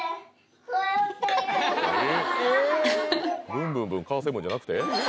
「ブンブンブンカーセブン」じゃなくて？